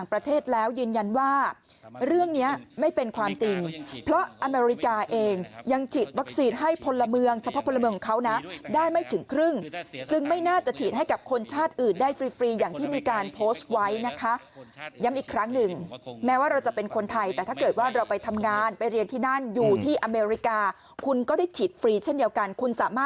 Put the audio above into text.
ประเทศแล้วยืนยันว่าเรื่องนี้ไม่เป็นความจริงเพราะอเมริกาเองยังฉีดวัคซีนให้พลเมืองเฉพาะพลเมืองของเขานะได้ไม่ถึงครึ่งจึงไม่น่าจะฉีดให้กับคนชาติอื่นได้ฟรีฟรีอย่างที่มีการโพสต์ไว้นะคะย้ำอีกครั้งหนึ่งแม้ว่าเราจะเป็นคนไทยแต่ถ้าเกิดว่าเราไปทำงานไปเรียนที่นั่นอยู่ที่อเมริกาคุณก็ได้ฉีดฟรีเช่นเดียวกันคุณสามารถ